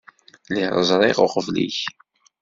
Lliɣ ẓriɣ uqbel-ik.